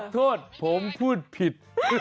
โทษผมพูดผิด